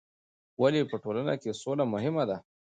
ولې په ټولنه کې سوله مهمه ده؟